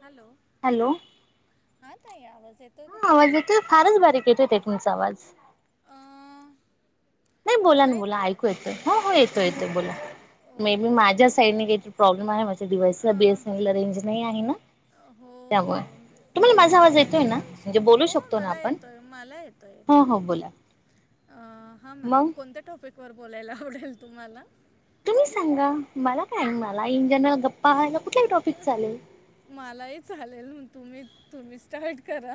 Hello hello! हा ताई आवाज येतोय का हा, आवाज तुम्हाला? येतोय फारच बारीक येत होते. तुमचा आवाज. [inaudible] अ नाही बोला. ना बोला ऐकू येतोय. हो हो येतोय. येतोय येतोय बोला. मे बी ओके ओके माझ्या ओके. साईडने काहीतरी प्रॉब्लेम आहे. माझ्या डिवाइस अ बी. एस. एन. एल. ला रेंज नाही आहे ना हो हो त्यामुळें, तुम्हाला बी माझा एस आवाज एन येतोय एलचा ना तो म्हणजे इश्यू बोलू हो शकतो ना मला आपण, येतोय मला येतोय हो येतोय. हो बोला. अ हां मग कोणत्या टॉपिक वर. बोलायला आवडेल तुम्हाला. तुम्ही सांगा मला काय मला. [unintelligible] कुठलाही टॉपिक चालेल मला ही चालेल, तुम्ही तुम्ही स्टार्ट करा.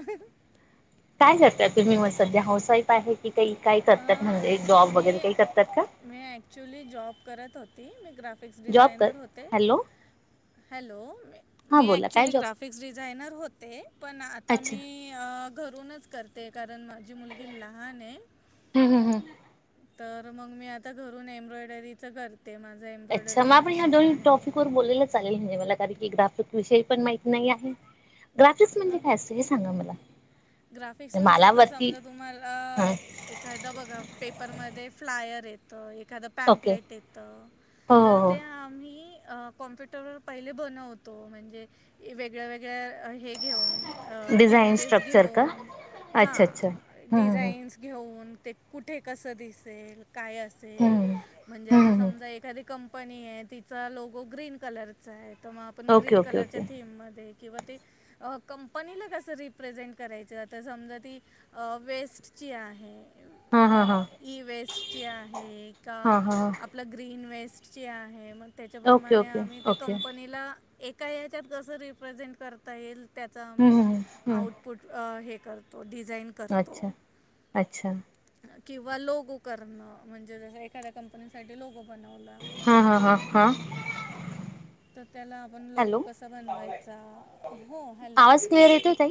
काय करताय तुम्ही मगं सध्या हाऊस वाइफ आहे की, काही काय अ करताात? मी मी ॲक्च्युली जॉब करत होते [unintelligible] ग्राफिक्स जॉब कर डिझायनर होते. Hello hello! हां मी बोला काय ॲक्च्युअली जॉब ग्राफिक्स डिझायनर होते, पण आता अच्छा मी घरूनच करते का? कारण माझी मुलगी लहान आहे. हम्म हम्म हम्म तर मग मी आता घरून एम्ब्रॉयडरीच करते. माझं अच्छा! मग एम्ब्रॉयडरीचं आपण ह्या मशीन दोन्ही आहे टॉपिक वर बोललेल चालेल, म्हणजे मला [unintelligible] ग्राफिक विषयी पण माहिती नाही आहे. ग्राफिक्स अ म्हणजे काय असतं हे सांगा मला ग्राफिक्स म्हणजे मला आता वरती समजा, तुम्हाला ह एखादा बघा पेपरमध्ये फ्लायर आहे. तर एक. एखादं ओके पॅम्पलेट येतं हो तर हो ते हो आम्ही अ कॉम्प्युटरवर पहिले बनवतो म्हणजे, वेगळ्या वेगळ्या हे. घेऊन. अ डिझाईन इमेजेस स्ट्रक्चर का घेऊन हा अच्छा अच्छा हम्म डिझाइन्स घेऊन. ते कुठे कसं दिसेल. काय हम्म असेल हम्म हम्म म्हणजे, हम्म आता हम्म समजा एखादी कं- [unintelligible] आहे. तिचा लोगो ग्रीन कलरचा आहे. तर मग आपण ओके ग्रीन ओके कलरच्या ओके थीम मध्ये किंवा ते - अ कंपनीला कसं रिप्रेझेंट करायचं आता समजा ती वेस्टची आहे हा हा म्हण हा ई वेस्टची आहे का हा हा आपलं ग्रीन वेस्ट -आहे मग ओके त्याच्याप्रमाणे ओके आम्ही त्या ओके कंपनीला एक का ह्याच्यात कसं रिप्रेझेंट करता येईल त्याचा आम्ही हम्म हम्म हम्म आउटपुट हे करतो डिझाईन करतो अच्छा अच्छा किंवा लोगो करणं म्हणजे जस एखाद्या कंपनीसाठीठी लोगो बनवलं आपण हा हा हा हा तर त्याला आपण लोगो हॅलो कसा बनवायचा हॅलो आवाज क्लियर येतोय तई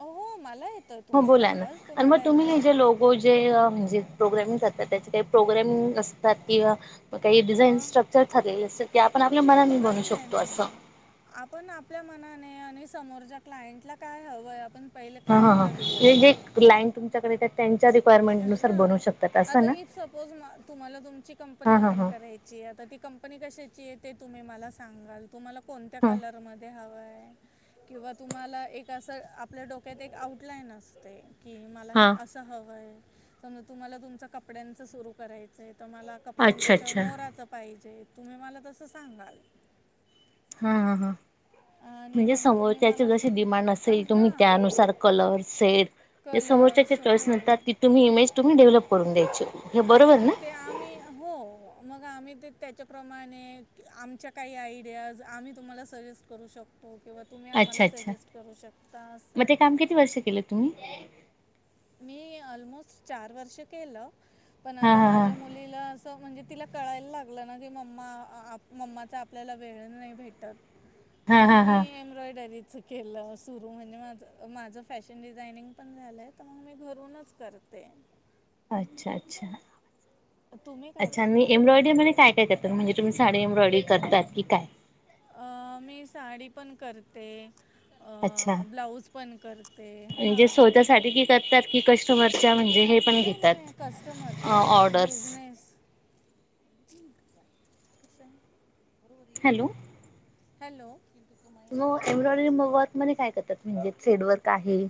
हो हो मला य - हो बोला ना आणि मग तुम्ही जे लोगो जे म्हणजे प्रोग्रामिंग कर त्याचे काही प्रोग्राम असतात किंवा म काही डिझाईन स्ट्रक्चर ठरलेल अस नाही नाही नाही नाही आपण आपल्या मनाने आणि समोरच्या क्लायंटला काय हवंय आपण - पहिल हा हां क्लायंट हां च म्हणजे जे विचारायच क्लायंट तुमच्याकडे येतात त्यांच्या अ रिक्वायरमेंटनुसार हा बनवू शकतात असं आता ना इफ सपोज म कंपनी हा हा ओपन हा करायची आहे ती कंपनी कशाची चे ते तुम्ही मला सांगाल तुम्हाला कोणत्या हा कलर मध्ये हवंय किंवा तुम्हाला एक असं आपल्या डोक्यात एक आउटलाईन असते की मला हे हा असं हवं आहे समजा तुम्हाला तुमच कपड्यांच सुरू करायचंय - तर मला अच्छा कपड्यांच्याच्यावर अच्छा मोराचं पाहिजे तुम्ही मला तसं [unintelligible] हां हां हां. आणि म्हणजे मग तुम्ही समोरच्याचे मला जशी सांग डिमांड असेल तुम्ही हां त्यानुसार कलर सेट म्हणजे समोरच्याच्या कलर्स चॉईसनुसार हो ती तुम्ही इमेज तुम्ही डेव्हलप करून द्यायची. हे आणि बरोबर मग ना ते आम्ही हो म ग आम्ही ते त्याच्याप्रमाणे आमच्या काही आयडियाज आम्ही तुम्हाला सजेस्ट करू शकतो. किंवा तुम्ही अच्छा आम्हाला अच्छा सजेस्ट करू शकता मग असं ते काम किती वर्ष केलं तुम्ही? मी अलमोस्ट चार वर्ष केलं. पण हा आता हा हा माझ्या मुलीला असं म्हणजे तिला कळायला लागलं ना, की मम्मा मम्माचा आपल्याला वेळ नाही भेटत हा मग हा मी हा एम्ब्रॉयडरीत मिच केलं सुरू म्हणून माझं माझं फॅशन डिझायनिंग पण झालंय. तर मग मी घरूनच करते. अच्छा अच्छा. तुम्ही काय अच्छा आणि करता एम्ब्रॉयडरीमध्ये काय काय करता? म्हणजे तुम्ही साडी एम्ब्रॉयडरी करतात की काय? अ, मी साडी पण करते. अ, अच्छा ब्लाऊज पण करते म्हणजे हां स्वतःसाठी कि करतात की कश [unintelligible] म्हणजे हे पण नाही नाही घेतात कस्टमरचा ऑर्डर्स बिजनेस कशाने? हॅलो. नो एम्ब्रॉयडरी मग वर्कमधे काय करत्यात? म्हणजे फेड वर्क आहे हे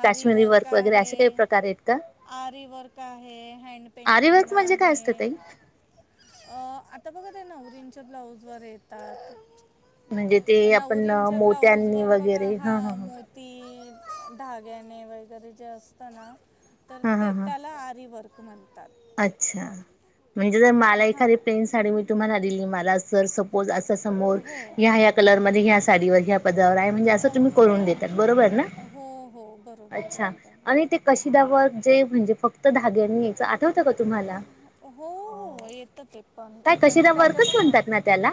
आरी वर्क आहे, आहेत का आरी वर्क आहे, हँड आरी पेंटिंग वर्क म्हणजे काय आहे असतं ताई अ आता बघा ते नवरींच्या ब्लाउज वर येतात. म्हणजे ते आपण नवरीच्या ब्लाऊज मोत्यांनी वर बघा वगैरे हा मोती धाग्याने वगैरे जे असतं ना तर हा हा ते हा त्याला आरीवर्क म्हणतात. अच्छा. म्हणजे जर मला एखादी हां प्लेन साडी मी तुम्हाला दिली मला [unintelligible] सर सपोज अ तिच्या समोर हो ह्या ह्या कलर मध्ये ह्या साडीवर ह्या पदरावर आहे म्हणजे असं तुम्ही हो करून देतात, बरोबर ना हो हो बरोबर अच्छा बरोबर आणि ते कशीदावर ते म्हणजे फक्त धाग्यांनी यायचं, आत हो हो येत ते. [unintelligible] काय म्हणजे कशिदा त्याच्या वर्कच पण म्हणतात ना त्याला?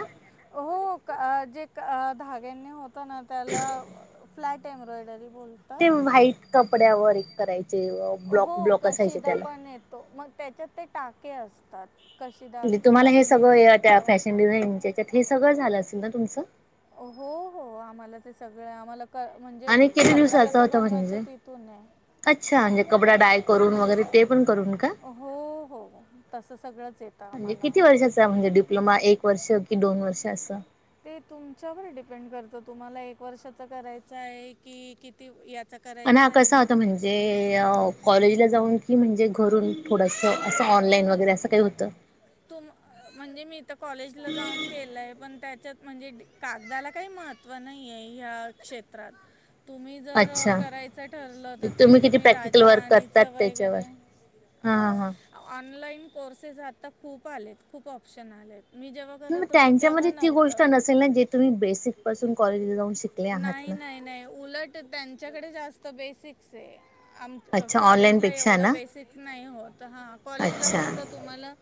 हो क अ जे क अ धाग्याने होतं ना त्याला अ फ्लॅ एम्ब्रॉयडरी बोलतात ते व्हाईट कप कपड्यावर एक कराय हो कशीदा पण येतो मग त्याच्यात ते टाके अस तात. मी तुम्हाला हे सगळं या त्या फॅशन डिझानच्या त्यात ही सगळं झालं असेल ना तुमचं? हो हो आम्हाला ते सगळं आम्हाला क म्हणजे आणि किती कपडा दिवसाचा कसा होता बनवायचा म्हणजे? तिथून आहे अच्छा म्हणजे कपडा डाय करून वगैरे ते पण करून का? हो हो तसं सगळंच येतं म्हणजे आम्हाला किती वर्षाचा म्हणजे डिप्लोमा एक वर्ष की दोन वर्ष असं? ते तुमच्यावर डिपेंड करतं की तुम्हाला एक वर्षाचा करायचं आहे कि किती आणि हा करायचं आहे कसा ना होता म्हणजे अ कॉलेजला जाऊन की म्हणजे घरून थोडसं असं ऑनलाईन अं, वगैरे असं काही होतं? तुम म्हणजे मी तर कॉलेजला जाऊन केलंय पण त्याच्यात म्हणजे कागदाला काही महत्त्व नाही आहे ह्या क्षेत्रात. तुम्ही जर अच्छा करायचं ठरलं तर ते किती तुम्ही प्रॅक्टिकल राजा वर्क करतात राणीचं त्याच्यावर वगैरे हा हां हा हा ऑनलाईन कोर्सेस आता खूप आलेत खूप ऑप्शन आले आहेत. मी जेव्हा मग करत होती तेव्हा त्यांच्यामध्ये ती गोष्ट नव्हतं. नसेल ना जे तुम्ही बेसिक पासून कॉलेजला जाऊन शिकले आहात नाही ना? नाही नाही उलट त्यांच्याकडे जा तो बेसिक्स आहे. आम अ अच्छा ऑनलाईन कॉलेजला पेक्षा एवढं ना बेसिक नाही होत हा कॉलेजला अच्छा फक्त तुम्हाला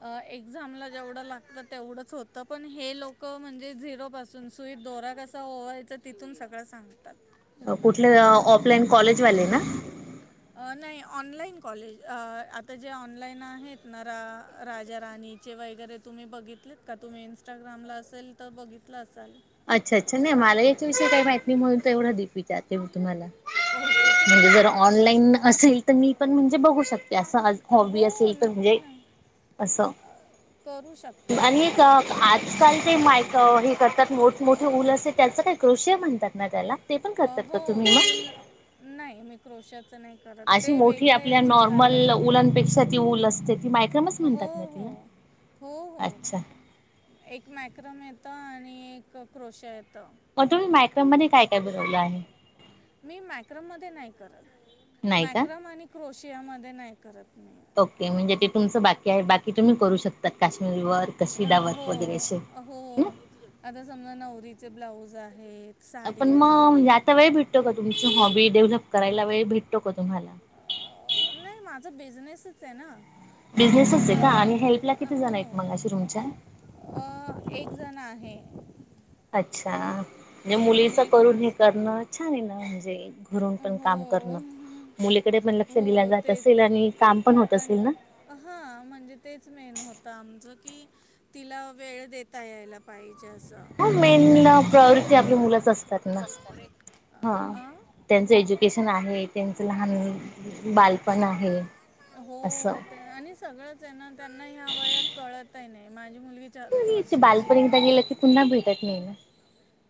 अ एक्झामला जेवढं लागतं तेवढंच होतं पण हे लोकं म्हणजे झिरोपासून सुई दोरा कसा ओवायचा तिथून सगळं सांगतात. कुठले ऑफलाईन कॉलेजवाले ना? अ नाही ऑनलाईन कॉलेज अ आता जे ऑनलाईन आहेत ना? रा राजा राणीचे वगैरे तुम्ही बघितलेत का? तुम्ही इन्स्टाग्रामला असेल तर बघितलं असाल. अच्छा अच्छा. नाही मला याच्याविषयी काही माहीत नाही म्हणून एवढ डिप विचारते मी तुम्हाला. ओके [unintelligible] तुम्ही म्हणजे काय जर करता ऑनलाईन असेल तर मी पण म्हणजे बघू शक ते असं आज हॉबी हो असेल तर नक्की म्हणजे ना असं करू शकता आणि एक अ तुम्ही आजकाल ते माय अ हे करतात मो [unintelligible] असे त्याचं काही [unintelligible] म्हणतात ना त्याला? ते पण करतात का हो तुम्ही मग? ऊल नाही मी क्रोशात च नाही करत ते अशी मोठी वेगळं आपल्या याच्यात चाललं नॉर्मल जातं. उलांपेक्षा ती ऊल असते ती मायक्रमच हो म्हणतात ना हो. तिला? हो हो. अच्छा एक मॅक्रम ये येत आणि एक क्रोशा येतो मग तुम्ही मायक्रोम मध्ये काय काय बनवलं आहे मी मायक्रम मध्ये नाही करत नाही का? मॅक्रम आणि क्रोश मध्ये नाही करत मी ओके म्हणजे ते तुमचं बाकी आहे बाकी तुम्ही करू शकता काश्मीर क अ, व हो वगैरे हो आता समजा नवरीचे ब्लाऊज आहेत साडी आपण आहे मगता वेळ भेटतो का तुम हॉबी डेव्हलप करायला वे भेटतो का तुम्हाला अ, नाही माझा बिझनेसच आहे ना बिझनेसच आहे का तर आणि मग हेल्पला किती जण हो आहेत मग अशी तुमच्या अ एक जण आहे अच्छा म्हणजे मुलीच आणि एक करून हे मास्टर करणं छान आहे ना म्हणजे घरून पण काम हो करणं मुलीकडे पण लक्ष दिलं हो जात ते असेल आणि काम पण होत आणि असेल ना कि तिला वेळ देता यायला पाहिजे असं ह मेन प्रयोरिटी आपल्या मुलाच असतात ना हा अं? त्यांचं एज्युकेशन आहे त्यांचं लहान बालपण आहे हो असं आणि सगळंच आहे ना त्यांना ह्या वयात कळतही नाही ए तथे बालपण एकदा गेलं की पुन्हा भेटात नाही ना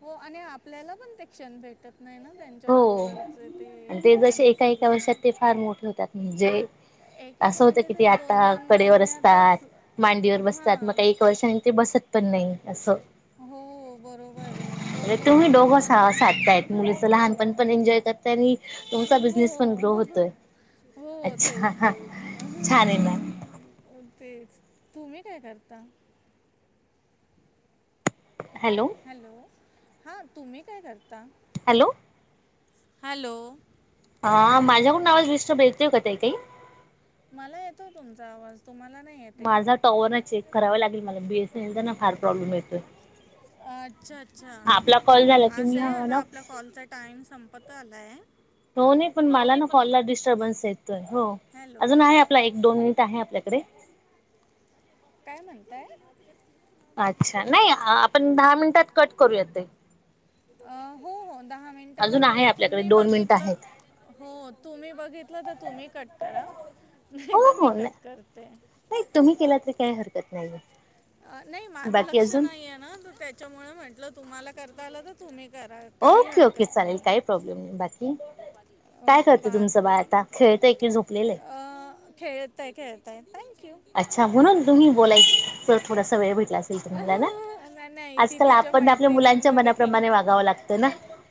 हो आणि आपल्याला पण ते क्षण भेटत नाही ना त्यांच्याबरोबरचे हो ते जसे त्यांचं एका एका वर्षात सगळं ते फार मोठे होतात म्हणजे एक एक असं होतं म्हणजे कि ते दोन आता दोन कडेवर महिन्यातच असतात मांडीवर बसतात मग हां का एक वर्षानी ते बसत पण नाही असं हो बरोबर आहे म्हणजे दोन दोन तुम्ही म्हणजे दोघं दोन सा दोन साधतायत महिन्यातच मुलीचं लहानपण पण एन्जॉय करतय आणि हो तुमचा बिझनेस पण ग्रो होतोय हो अच्छा तेच तेच छान आहे ना तेच तुम्ही काय करता हॅलो हा तुम्ही काय करता हॅलो हॅलो हा हॅलो माझ्याकडून आवाज विस्टब आहे त कताई काही मला येतो तुमचा आवाज तुम्हाला नाही येते का माझा टॉवर ना चेक करावा लागेल मला बीएसएनएलचा ना फार प्रॉब्लेम येतोय. आठ अच्छा अच्छा आपला कॉल झाला की असं मी आहे आता ना आपला कॉलचा टाईम संप पता ह [unintelligible] [unintelligible] पण मला ना कॉलला डिस्टर्बन्स येतोय हो हॅलो अजून आहे आपला एक दोन मिनिट आहे आपल्याकडे काय म्हणताय अच्छा नाही आ आपण दहा मिनिटात कट करूयात ते. अ हो हो दहा मिनिटाला अजून आहे तो आपल्याकडे तुम्ही दोन मिनिटं आहेत बघितलं हो तुम्ही बघितलं तर तुम्ही कट करा नाही हो तर मी हो नाय कट करते नाही तुम्ही केला तरी काही हरकत नाहीेये. नाही माझ लक्ष नाहीये ना त त्याच्यामुळे म्हंटलं तुम्हाला कर ता आला तर तुम्ही करा काही ओके ओके हरकत चालेल नाही काही प्रॉब्लेम नाही बाकी अ, काय करत बा तुमचं बाळ आता खेळतंय की झोपलेलं आहे? खेळतय खेळतय नाही अच्छा म्हणून तुम्ही बोलायची तर थोडासा वेळ भेट ला असेल तुम्हाला ना नाही नाही ती आजकाल तिच्या आपण आपल्या मुलांच्या मैत्रिणींमध्ये मनाप्रमाणे खेळते वागावं लागत ना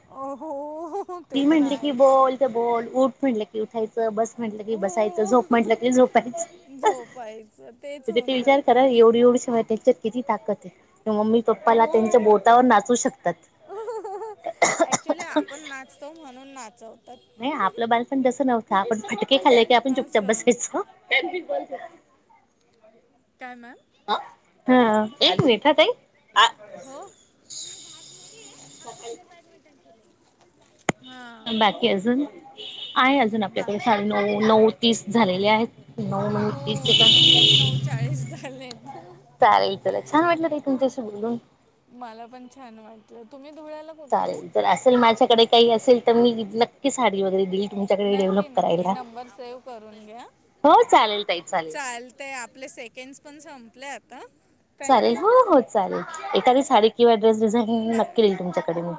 हो हो, ते ती तर म्हणली की आहेच बोल त बोल उठ म्हणलं की उठायचं बस म्हटलं की बसायचं हो झोप म्हटलं की झोपायचं. झोपायचं तेच त ते होऊन विचार जातं करा आणि एवढी एवढी शी हाय त्यांच्यात किती ताकद आहे की मम्मी पप्पाला हो त्यांच्या बोटावर नाचवू शकतात. च नाही आपलं बालपण तसं नव्ह त आपण फटके खाल्ले की आपण चुपचप असं बसायचो. [unintelligible] काय मॅम हा एक मिनिट हा ताई. हो. सकाळी. हां बाकी अजून आहे अजून बा आपल्याकडे साडे नऊ नऊ तीस झालेले आहेत नऊ तीस हो नऊ नऊ सेकंद चाळीस झालेत हो. चालतं छान वाटलं ताई तुमच्याशी बोलून. मला पण छान वाटलं तुम्ही धुळ्याला कुठून चालेल आहे तर असेल माझ्याकडे काही असेल तर मी नक्की साडी वगैरे दिली नक्की नक्की नंबर सेव्ह करून घ्या हो चालेल ताई चालेल. चालतंय आपले सेकंड्स पण संपल्यात. आता. चालेल थँक्यू हो हो चालेल एखादी साडी किंवा ड्रेस डिझाईन बाय नक्की बाय देईल तुमच्याकडे मी.